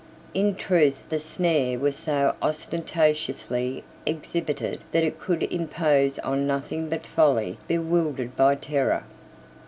In truth the snare was so ostentatiously exhibited that it could impose on nothing but folly bewildered by terror.